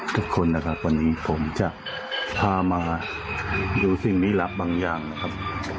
ทุกคนนะครับวันนี้ผมจะพามาดูสิ่งลี้ลับบางอย่างนะครับ